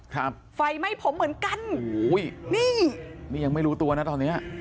ครับไฟไหม้ผมเหมือนกันโอ้โหนี่นี่ยังไม่รู้ตัวนะตอนเนี้ย